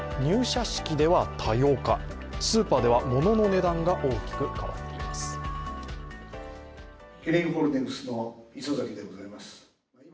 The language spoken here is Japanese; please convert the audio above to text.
入社式では多様化、スーパーでは物の値段が大きく変わっています。